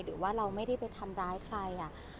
หรือว่าเราไม่ได้ไปทำร้ายใคร